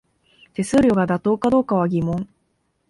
手数料が妥当かどうかは疑問